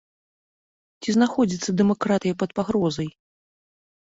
Ці знаходзіцца дэмакратыя пад пагрозай?